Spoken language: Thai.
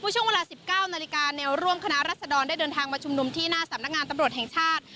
ช่วงเวลา๑๙นาฬิกาแนวร่วมคณะรัศดรได้เดินทางมาชุมนุมที่หน้าสำนักงานตำรวจแห่งชาติ